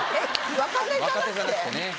若手じゃなくてね。